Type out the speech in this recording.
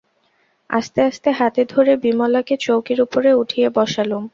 আস্তে আস্তে হাতে ধরে বিমলাকে চৌকির উপরে উঠিয়ে বসালুম।